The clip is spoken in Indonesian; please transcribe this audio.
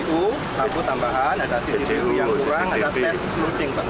u tabu tambahan ada cctv yang kurang ada tes loading